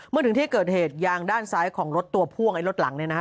เมื่อถึงที่เกิดเหตุยางด้านซ้ายของรถตัวพ่วงไอ้รถหลังเนี่ยนะฮะ